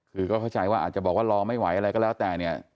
คือก็เข้าใจว่าอาจจะบอกว่ารอไม่ไหวอะไรก็แล้วแต่เนี่ย